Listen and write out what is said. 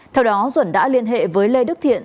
theo đó duẩn đã liên hệ với lê đức thiện